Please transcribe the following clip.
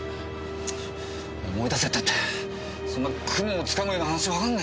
チッ思い出せったってそんな雲をつかむような話わかんねえよ。